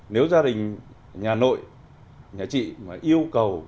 nếu gia đình nhà nội nhà chị mà yêu cầu